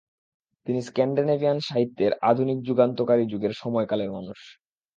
তিনি স্ক্যান্ডিনেভিয়ান সাহিত্যের আধুনিক যুগান্তকারী যুগের সময়কালের মানুষ।